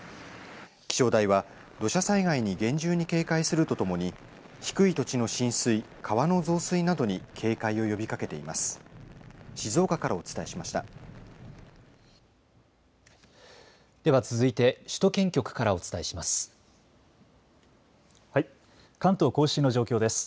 気象台は土砂災害に厳重に警戒するとともに低い土地の浸水、川の増水などに警戒を呼びかけています。